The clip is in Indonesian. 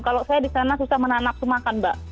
kalau saya di sana susah menanak menakan mbak